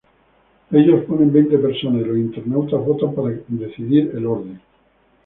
Ellos ponen veinte personas y los internautas votan para decidir el orden.